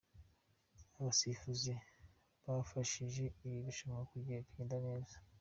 Abasifuzi bafashije iri rushanwa kugenda neza.